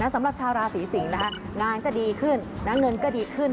สำหรับชาวราศีสิงศ์งานก็ดีขึ้นเงินก็ดีขึ้น